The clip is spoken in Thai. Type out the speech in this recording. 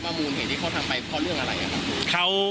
มูลเหตุที่เขาทำไปเพราะเรื่องอะไรครับ